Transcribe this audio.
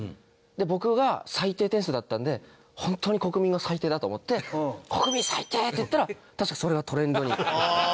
で僕が最低点数だったんでホントに国民が最低だと思って「国民最低ー！」って言ったら確かそれがトレンドに。